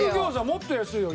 もっと安いよ。